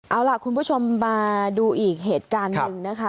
เอาล่ะคุณผู้ชมมาดูอีกเหตุการณ์หนึ่งนะคะ